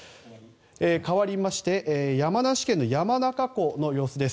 かわりまして山梨県の山中湖の様子です。